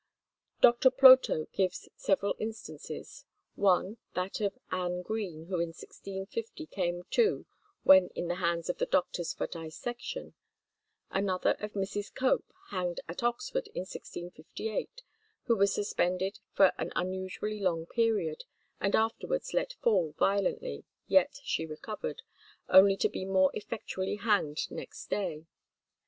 Doctor Ploto gives several instances; one, that of Anne Green, who in 1650 came to when in the hands of the doctors for dissection; another of Mrs. Cope, hanged at Oxford in 1658, who was suspended for an unusually long period, and afterwards let fall violently, yet she recovered, only to be more effectually hanged next day.